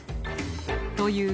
という